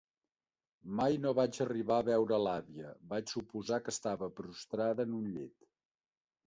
Mai no vaig arribar a veure l'àvia, vaig suposar que estava prostrada en un llit.